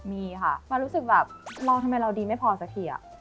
มีค่ะมารู้สึกแบบเราทำไมเราดีไม่พอสักทีอะ